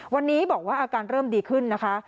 วันนี้บอกว่าอาการเริ่มดีขึ้นนะคะ